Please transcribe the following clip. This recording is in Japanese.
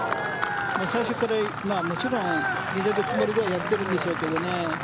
最初からもちろん入れるつもりでやっているんでしょうけどね。